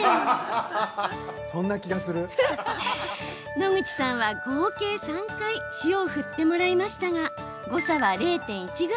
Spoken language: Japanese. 野口さんは合計３回塩を振ってもらいましたが誤差は０．１ｇ。